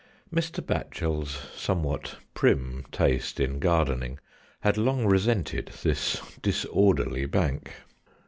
Mr. Satchel's somewhat prim taste in gardening had long resented this disorderly bank.